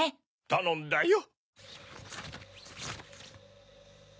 たのんだよ。